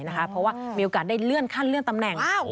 เพราะว่ามีโอกาสได้เลื่อนขั้นเลื่อนตำแหน่ง